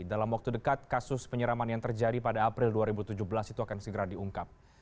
dalam waktu dekat kasus penyeraman yang terjadi pada april dua ribu tujuh belas itu akan segera diungkap